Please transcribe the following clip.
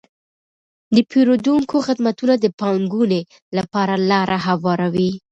د پیرودونکو خدمتونه د پانګونې لپاره لاره هواروي.